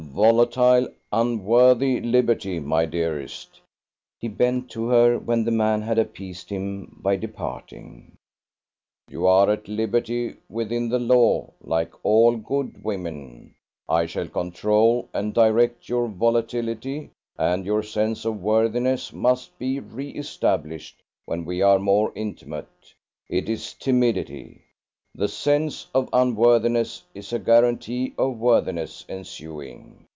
"Volatile, unworthy, liberty my dearest!" he bent to her when the man had appeased him by departing, "you are at liberty within the law, like all good women; I shall control and direct your volatility; and your sense of worthiness must be re established when we are more intimate; it is timidity. The sense of unworthiness is a guarantee of worthiness ensuing.